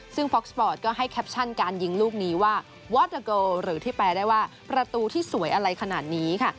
ซึ่งฟอกสปอร์ตก็ให้แคปชั่นการยิงลูกนี้ว่าวอเตอร์โกหรือที่แปลได้ว่าประตูที่สวยอะไรขนาดนี้ค่ะ